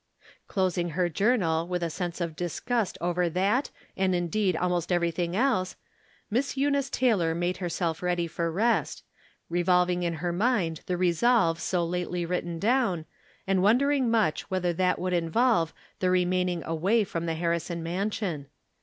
Closing her journal with a sense of disgust over that, and, indeed, almost everything else, Miss Eunice Taylor made herself ready for rest, revolving in her mind the resolve so lately writ ten down, and wondering much whether that would involve the remaining away from the Har rison mansion.